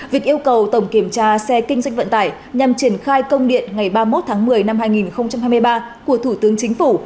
việc yêu cầu tổng kiểm tra xe kinh doanh vận tải nhằm triển khai công điện ngày ba mươi một tháng một mươi năm hai nghìn hai mươi ba của thủ tướng chính phủ